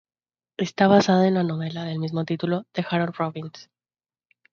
Está basada en la novela de mismo título, de Harold Robbins.